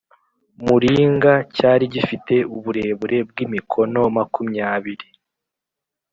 muringa Cyari gifite uburebure bw imikono makumyabiri